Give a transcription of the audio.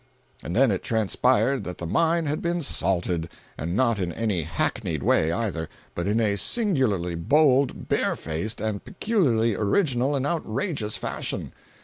And then it transpired that the mine had been "salted"—and not in any hackneyed way, either, but in a singularly bold, barefaced and peculiarly original and outrageous fashion.